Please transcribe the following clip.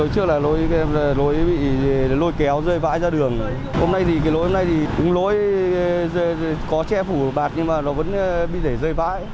trước là lối kéo rơi vãi ra đường hôm nay thì lối có che phủ bạc nhưng mà nó vẫn bị rơi vãi